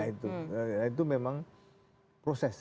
nah itu memang proses